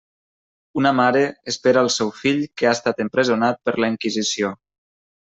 Una mare espera al seu fill que ha estat empresonat per la Inquisició.